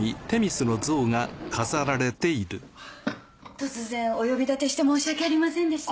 突然お呼びたてして申し訳ありませんでした。